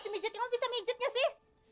ini betul bisa mijit gak sih